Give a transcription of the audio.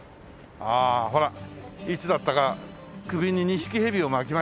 あーほらいつだったか首にニシキヘビを巻きましたね。